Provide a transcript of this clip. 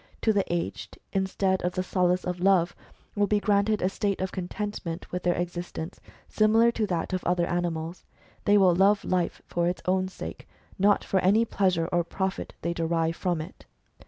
To the aged, instead of the solace of Love, will be granted a state of contentment with their existence, similar to that of other animals. They will love life for its own sake, not for any pleasure or profit they derive from it."